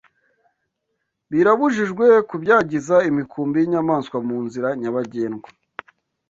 Birabujijwe kubyagiza imikumbi y'inyamaswa mu nzira nyabagendwa